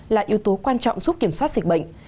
là yếu tố quan trọng giúp kiểm soát dịch bệnh